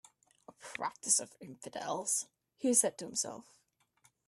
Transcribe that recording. "A practice of infidels," he said to himself.